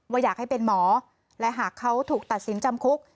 อยากให้เป็นหมอและหากเขาถูกตัดสินจำคุก